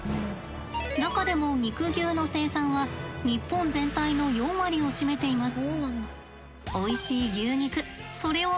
中でも肉牛の生産は日本全体の４割を占めています。